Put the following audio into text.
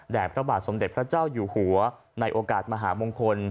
พระบาทสมเด็จพระเจ้าอยู่หัวในโอกาสมหามงคล